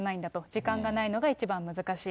時間がないのが一番難しい。